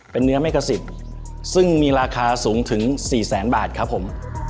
เป็นเนื้อเมฆสิทธิ์ซึ่งมีราคาสูงถึง๔แสนบาทครับผม